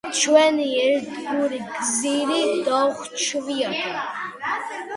ჩვენი ერთგული გზირი დაუხრჩვიათო.